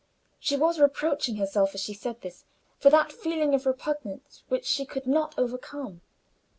She was reproaching herself, as she said this, for that feeling of repugnance which she could not overcome.